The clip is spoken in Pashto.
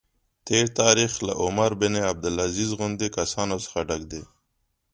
تېر تاریخ له عمر بن عبدالعزیز غوندې کسانو څخه ډک دی.